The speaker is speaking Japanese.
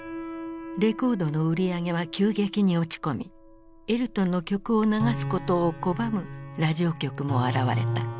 レコードの売り上げは急激に落ち込みエルトンの曲を流すことを拒むラジオ局も現れた。